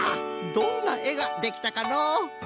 どんなえができたかのう？